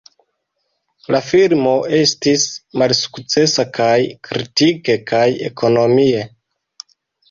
La filmo estis malsukcesa kaj kritike kaj ekonomie.